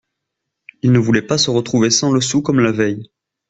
Il ne voulait pas se retrouver sans le sou comme la veille.